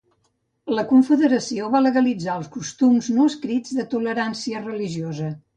La confederació va legalitzar els costums no escrits de tolerància religiosa.